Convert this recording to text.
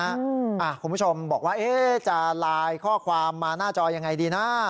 คุณผู้ชมบอกว่าจะไลน์ข้อความมาหน้าจอยังไงดีนะ